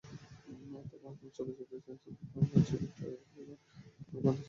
তখন ভারতের চলচ্চিত্র সেন্সর বোর্ড ছবিটির ট্রেলার কোনো কর্তন ছাড়াই ছেড়ে দেয়।